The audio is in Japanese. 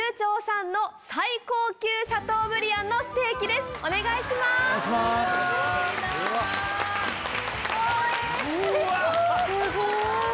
すごい！